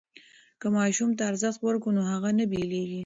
که ماشوم ته ارزښت ورکړو نو هغه نه بېلېږي.